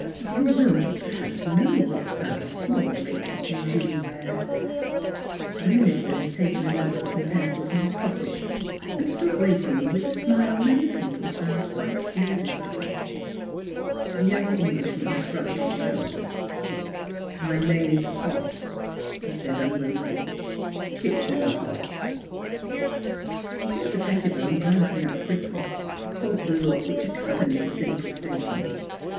Er you will, perhaps, know what size small ladies usually wear." The minister had taken a notebook and pencil from his pocket and stood waiting with the smile many people found quite irresistible. The young Englishman shrugged his shoulders. " My name is Hobbs," he said unwillingly. " Kitchener Hobbs." Mr. Pettibone, glancing up quickly, caught the look which accompanied the simple statement.